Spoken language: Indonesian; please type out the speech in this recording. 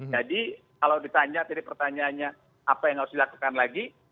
jadi kalau ditanya tadi pertanyaannya apa yang harus dilakukan lagi